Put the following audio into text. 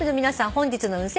本日の運勢